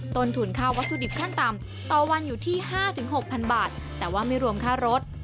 ต้นทุนค่าวัตถุดิบขั้นต่ำต่อวันอยู่ที่๕๖๐๐๐บาทแต่ว่าไม่รวมค่ารถ